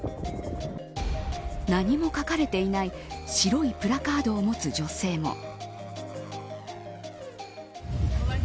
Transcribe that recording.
何も書かれていない白いプラカードを持つ女性も。